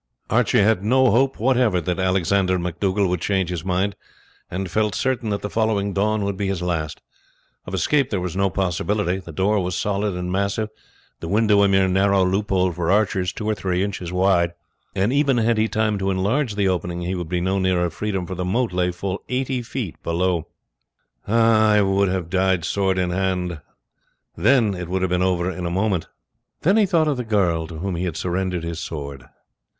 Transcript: Archie had no hope whatever that Alexander MacDougall would change his mind, and felt certain that the following dawn would be his last. Of escape there was no possibility; the door was solid and massive, the window a mere narrow loophole for archers, two or three inches wide; and even had he time to enlarge the opening he would be no nearer freedom, for the moat lay full eighty feet below. "I would I had died sword in hand!" he said bitterly; "then it would have been over in a moment." Then he thought of the girl to whom he had surrendered his sword.